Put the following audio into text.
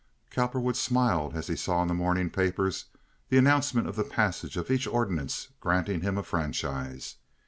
Cowperwood smiled as he saw in the morning papers the announcement of the passage of each ordinance granting him a franchise.